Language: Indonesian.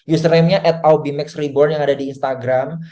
usernamenya at aubiemax reborn yang ada di instagram